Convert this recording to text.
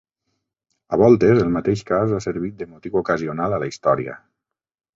A voltes el mateix cas ha servit de motiu ocasional a la història.